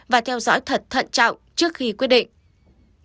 và theo dõi thật thận trọng trước khi quyết định